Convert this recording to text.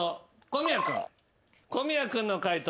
小宮君の解答